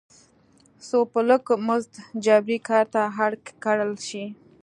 څو په لږ مزد جبري کار ته اړ کړل شي.